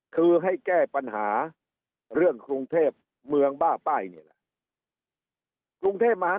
คือให้แก้ปัญหาเรื่องกรุงเทพเมืองบ้าป้ายนี่แหละ